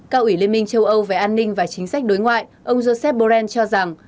cao ủy liên minh châu âu về an ninh và chính sách đối ngoại ông joseph bren cho rằng